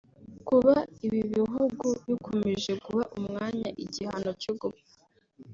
Kuba ibi bihugu bikomeje guha umwanya igihano cyo gupfa